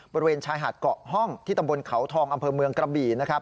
บริเวณชายหาดเกาะห้องที่ตำบลเขาทองอำเภอเมืองกระบี่นะครับ